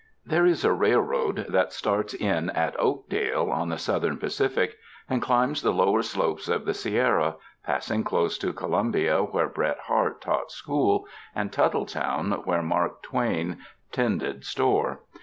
There is a railroad that starts in at Oakdale on the Southern Pacific, and climbs the lower slopes of the Sierra, passing close to Columbia where Bret Harte taught school, and Tuttletown where Mark Twain ''tended store."